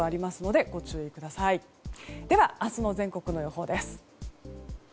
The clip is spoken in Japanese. では、明日の全国の予報です。